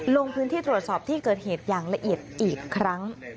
ลงพื้นที่ตรวจสอบที่เกิดเหตุอย่างละเอียดอีกครั้ง